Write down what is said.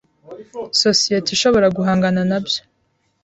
sosiyete ishobora guhangana na byo